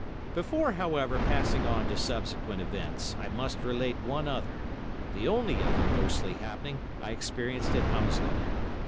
Before, however, passing on to subsequent events, I must relate one other—the only other—ghostly happening I experienced at Hounslow.